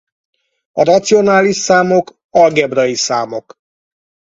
A racionális számok algebrai számok.